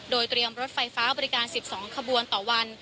โดยเตรียมรถไฟฟ้าบริการ๑๒ขบวนต่อวัน